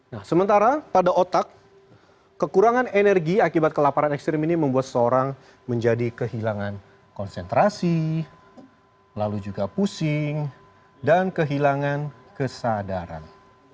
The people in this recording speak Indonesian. nah sementara pada otak kekurangan energi akibat kelaparan ekstrim ini membuat seorang menjadi kehilangan konsentrasi lalu juga pusing dan kehilangan kesadaran